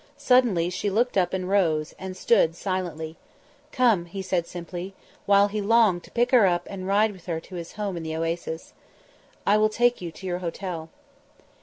Suddenly she looked up and rose, and stood silently. "Come," he said simply, while he longed to pick her up and ride with her to his home in the Oasis. "I will take you to your hotel."